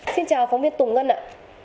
xin chào phóng viên tùng ngân ạ